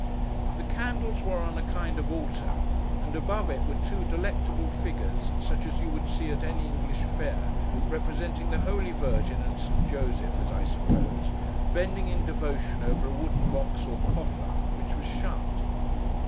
The candles were on a kind of altar, and above it were two delectable figures, such as you would see at any English fair, representing the Holy Virgin, and Saint Joseph, as I suppose, bending in devotion over a wooden box, or coffer; which was shut.